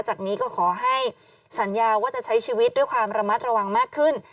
จากนี้ก็ขอให้สัญญาว่าจะใช้ชีวิตด้วยความระมัดระวังมากขึ้น